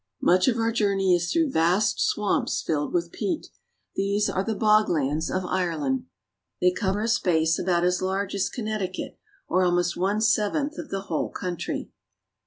Much of our journey is through vast swamps filled with peat. These are the bog lands of Ireland. They cover a space about as large as Con necticut, or almost one seventh of the whole country.